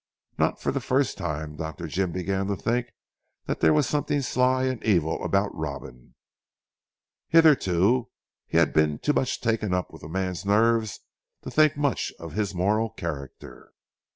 Not for the first time Dr. Jim began to think there was something sly and evil about Robin. Hitherto, he had been too much taken up with the man's nerves to think much of his moral character.